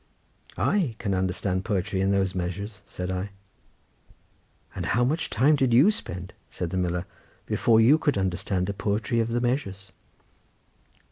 "I can understand poetry in those measures," said I. "And how much time did you spend," said the miller, "before you could understand the poetry of the measures?"